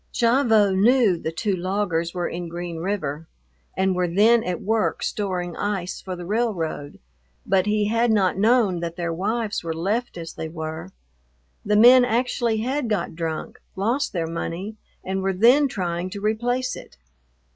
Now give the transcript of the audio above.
Gavotte knew the two loggers were in Green River and were then at work storing ice for the railroad, but he had not known that their wives were left as they were. The men actually had got drunk, lost their money, and were then trying to replace it.